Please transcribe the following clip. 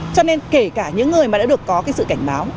cho nên kể cả những người mà đã được có cái sự cảnh báo